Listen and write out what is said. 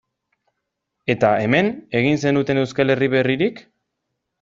Eta, hemen, egin zenuten Euskal Herri berririk?